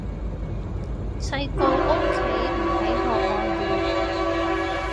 細個屋企唔俾學外語